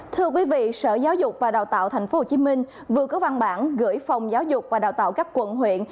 thưa quý vị sở giáo dục và đào tạo tp hcm vừa có văn bản gửi phòng giáo dục và đào tạo các quận huyện